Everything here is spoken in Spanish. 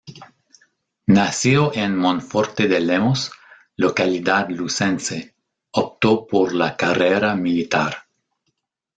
Nacido en Monforte de Lemos, localidad lucense, optó por la carrera militar.